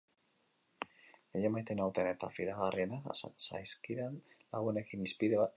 Gehien maite nauten eta fidagarrienak zaizkidan lagunekin hizpide izan dut.